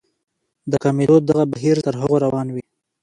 د کمېدو دغه بهير تر هغو روان وي.